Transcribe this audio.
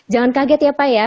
jangan kaget ya pak ya